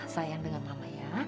sayang dengan mama ya